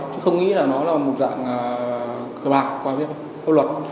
chứ không nghĩ là nó là một dạng cờ bạc qua luật